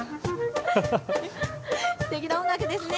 すてきな音楽ですね。